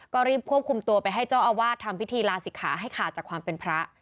ก็รีบควบคุมตัวไปให้เจ้าอาวาสทำพิธีลาศิกขาให้ขาดจากความเป็นพระ